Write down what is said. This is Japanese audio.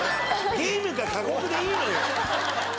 ゲームか過酷でいいのよ